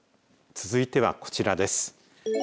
続いては、こちらです。